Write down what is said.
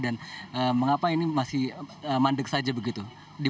dan mengapa ini masih mandek saja begitu